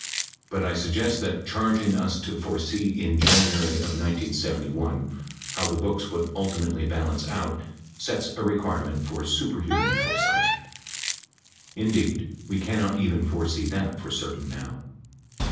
But I suggest that charging us to foresee in Jan uary of 1971 how the books would ultimately balance out sets a requirement for superhuman foresight. Indeed, we cannot even foresee that for certain now.